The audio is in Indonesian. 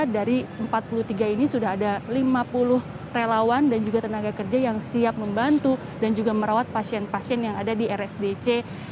dari empat puluh tiga ini sudah ada lima puluh relawan dan juga tenaga kerja yang siap membantu dan juga merawat pasien pasien yang ada di rsdc